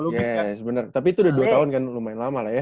oke sebenarnya tapi itu udah dua tahun kan lumayan lama lah ya